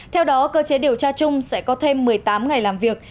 theo đó cơ chế điều tra chung sẽ có thêm một mươi tám ngày làm việc